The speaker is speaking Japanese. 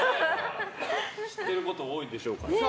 知ってること多いでしょうから。